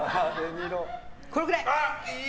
これくらい！